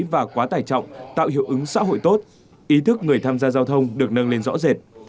và quá tải trọng tạo hiệu ứng xã hội tốt ý thức người tham gia giao thông được nâng lên rõ rệt